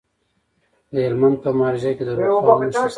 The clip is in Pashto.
د هلمند په مارجه کې د رخام نښې شته.